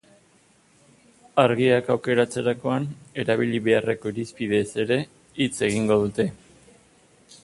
Argiak aukeratzerakoan erabili beharreko irizpideez ere hitz egingo dute.